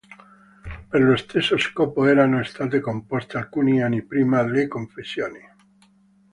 Per lo stesso scopo erano state composte, alcuni anni prima, "Le confessioni".